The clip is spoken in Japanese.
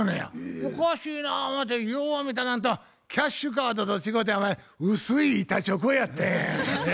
おかしいな思てよう見たらあんたキャッシュカードと違てお前薄い板チョコやったんや。